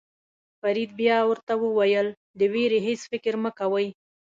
فرید بیا ورته وویل د وېرې هېڅ فکر مه کوئ.